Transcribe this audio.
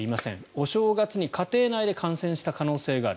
お正月に家庭内で感染した可能性がある。